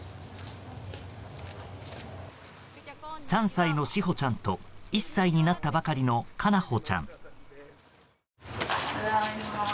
３歳の詩帆ちゃんと１歳になったばかりの叶帆ちゃん。